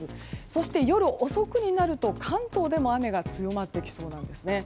そして、夜遅くになると関東でも雨が強まってきそうです。